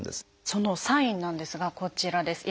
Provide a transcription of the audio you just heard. そのサインなんですがこちらです。